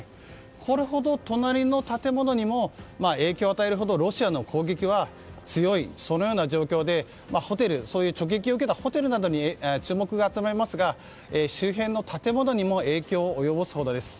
これほど隣の建物にも影響を与えるほどロシアの攻撃は強いという状況で直撃を受けたホテルなどに注目が集まりますが周辺の建物にも影響を及ぼすほどです。